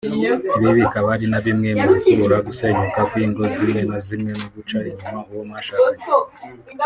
ibi bikaba ari na bimwe mu bikurura gusenyuka kw’ingo zimwe na zimwe no guca inyuma uwo mwashakanye